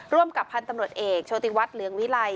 ร่วมกับพันธุ์ตำรวจเอกโชติวัฒน์เหลืองวิลัย